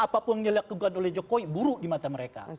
apapun yang dilakukan oleh jokowi buruk di mata mereka